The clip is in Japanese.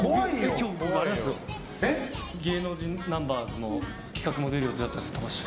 今日、芸能人ナンバーズの企画も出る予定だったりして。